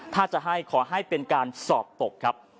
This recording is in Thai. ถ้าจะให้ขอให้เป็นการสอบตกครับ